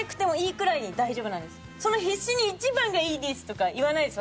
その必死に「１番がいいです」とか言わないです